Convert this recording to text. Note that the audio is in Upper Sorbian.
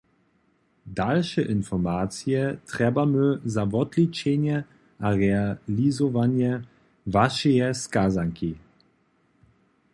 Dalše informacije trjebamy za wotličenje a realizowanje wašeje skazanki.